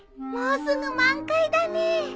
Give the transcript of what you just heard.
もうすぐ満開だね。